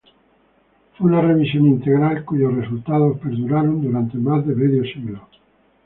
Fue una revisión integral cuyos resultados perduraron durante más de medio siglo.